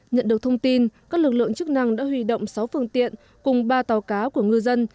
nhận được thông tin các lực lượng chức năng đã huy động sáu phương tiện cùng ba tàu cá của ngư dân